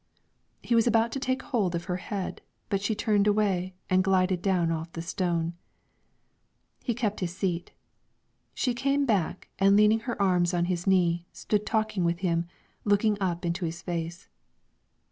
He was about to take hold of her head, but she turned it away and glided down off the stone. He kept his seat; she came back, and leaning her arms on his knee, stood talking with him, looking up into his face.